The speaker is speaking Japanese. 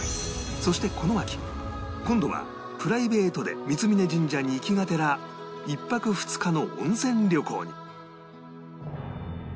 そしてこの秋今度はプライベートで三峯神社に行きがてら１泊２日の温泉旅行に